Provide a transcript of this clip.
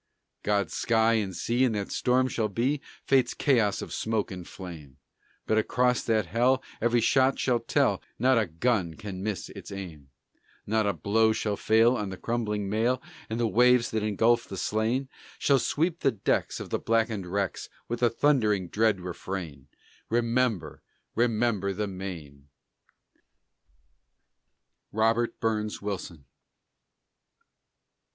God's sky and sea in that storm shall be Fate's chaos of smoke and flame, But across that hell every shot shall tell, Not a gun can miss its aim; Not a blow shall fail on the crumbling mail, And the waves that engulf the slain Shall sweep the decks of the blackened wrecks, With the thundering, dread refrain, "Remember, remember the Maine!" ROBERT BURNS WILSON.